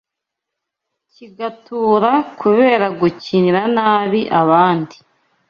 Kigatura kubera gukinira nabi abandi